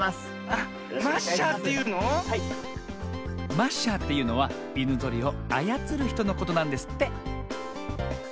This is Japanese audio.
マッシャーというのは犬ぞりをあやつるひとのことなんですって。